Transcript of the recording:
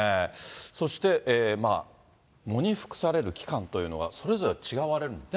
そして、喪に服される期間というのが、それぞれ違われるんですね。